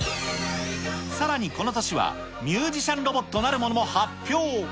さらにこの年は、ミュージシャンロボットなるものも発表。